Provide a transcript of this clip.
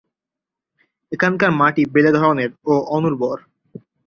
এখানকার মাটি বেলে ধরনের ও অনুর্বর।